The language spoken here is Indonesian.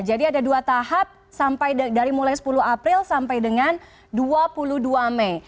jadi ada dua tahap dari mulai sepuluh april sampai dengan dua puluh dua mei